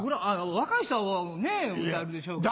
若い人は歌えるでしょうけどね。